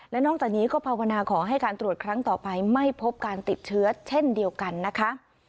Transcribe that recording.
และนอกจากนี้ก็ภาวนาขอให้การตรวจครั้งต่อไปไม่พบการติดเชื้อเช่นเดียวกันนะคะ